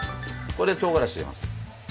ここでとうがらし入れます。